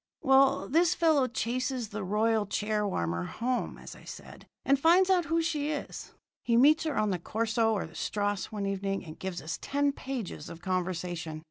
"Well, this fellow chases the royal chair warmer home, as I said, and finds out who she is. He meets her on the corso or the strasse one evening and gives us ten pages of conversation.